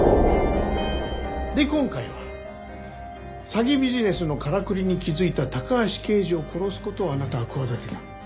で今回は詐欺ビジネスのからくりに気づいた高橋刑事を殺す事をあなたは企てた。